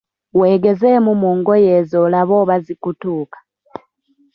Weegeze mu ngoye ezo olabe oba zikutuuka.